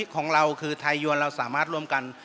ของเราคือไทยยวนเราสามารถร่วมกัน